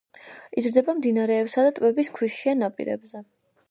იზრდება მდინარეებისა და ტბების ქვიშიან ნაპირებზე.